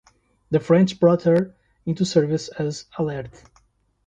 The French brought her into service as "Alerte".